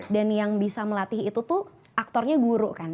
dan yang bisa melatih itu tuh aktornya guru kan